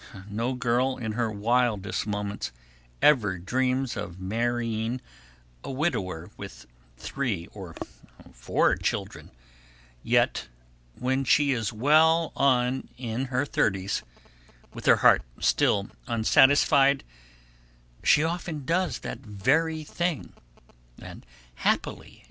No girl, in her wildest moments, ever dreams of marrying a widower with three or four children, yet, when she is well on in her thirties, with her heart still unsatisfied, she often does that very thing, and happily at that.